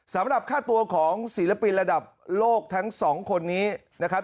สำหรับค่าตัวของศิลปินระดับโลกทั้งสองคนนี้นะครับ